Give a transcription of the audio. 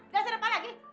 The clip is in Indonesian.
gak ada apa lagi